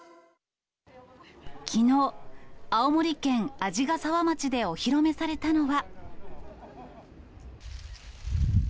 きのう、青森県鰺ヶ沢町でお披露目されたのは。